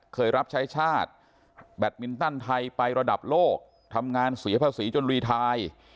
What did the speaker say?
เคยรับใช้ชาติแบตมินตันไทยไประดับโลกทำงานเสียภาษีจนรีไท